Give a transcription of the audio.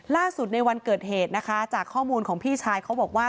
ในวันเกิดเหตุนะคะจากข้อมูลของพี่ชายเขาบอกว่า